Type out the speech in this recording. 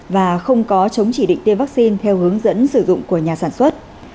và không có chống chỉ định tiêm vaccine theo hướng dẫn sử dụng của nhà sản xuất